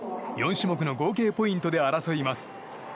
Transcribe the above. ４種目の合計ポイントで争います。